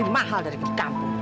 ini mahal dari kampung